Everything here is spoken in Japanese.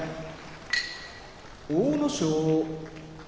阿武咲